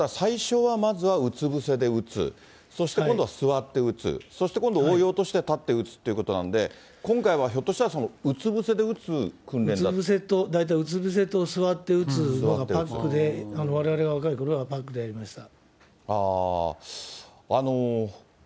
ということは、最初はまずはうつ伏せで撃つ、そして今度は座って撃つ、そして今度、応用として立って撃つということなんで、今回はひょっとしたら、うつ伏せと、大体、座って撃つがパックで、われわれが若いころはパックでやりました。